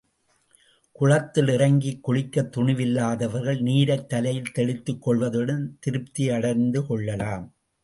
குளத்தில் இறங்கிக் குளிக்கத் துணிவில்லாதவர்கள் நீரைத் தலையில் தெளித்துக் கொள்வதுடன் திருப்தி அடைந்து கொள்ளலாம்.